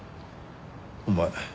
お前